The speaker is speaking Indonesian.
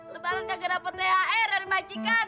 lebarkan kagak dapet thr dari majikan